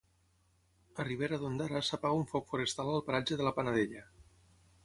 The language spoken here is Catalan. A Ribera d'Ondara s'apaga un foc forestal al paratge de la Panadella.